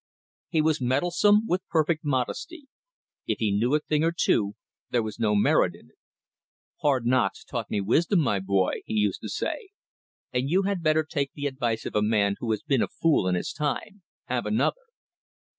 He was meddlesome with perfect modesty; if he knew a thing or two there was no merit in it. "Hard knocks taught me wisdom, my boy," he used to say, "and you had better take the advice of a man who has been a fool in his time. Have another."